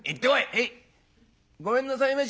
「へい！ごめんなさいまし」。